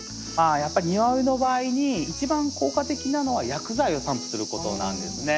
やっぱり庭植えの場合に一番効果的なのは薬剤を散布することなんですね。